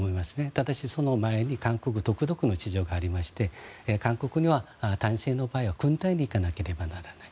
ただし、その前に韓国独特の事情がありまして韓国には男性の場合は軍隊に行かなければならない。